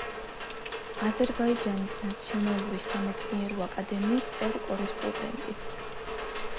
აზერბაიჯანის ნაციონალური სამეცნიერო აკადემიის წევრ-კორესპონდენტი.